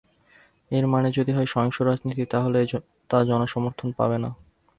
এর মানে যদি হয় সহিংস রাজনীতি, তাহলে তা জনসমর্থন পাবে না।